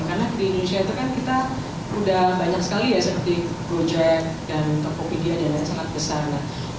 karena di indonesia itu kan kita sudah banyak sekali ya seperti proyek dan tokopedia dan lain lain yang sangat besar